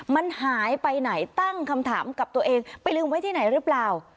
มันหายไปไหนตั้งคำถามกับตัวเองไปลืมไว้ที่ไหนหรือเปล่า